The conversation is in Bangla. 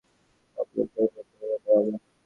সব লোক সারিবদ্ধ হইয়া দাঁড়ায়।